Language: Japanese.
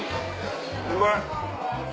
うまい！